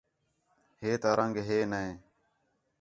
ہِے تا رنگ ہِک نے